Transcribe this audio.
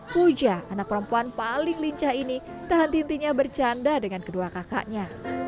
puja anak perempuan paling lincah ini tahan tintinya bercanda dengan kedua kakaknya